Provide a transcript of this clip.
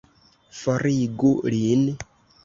Forigu lin!